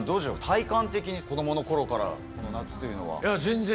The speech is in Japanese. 体感的に子供の頃から夏というのは。